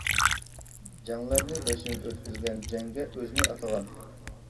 جەڭلەرنى بېشىدىن ئۆتكۈزگەن جەڭگە ئۆزىنى ئاتىغان.